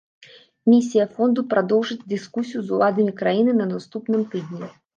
Місія фонду прадоўжыць дыскусіі з уладамі краіны на наступным тыдні.